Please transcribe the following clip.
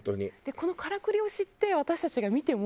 このからくりを知って私たちが見ても。